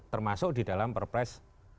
termasuk di dalam perpres